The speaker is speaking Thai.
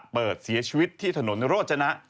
เสียชีวิตที่ถนนโรจนะ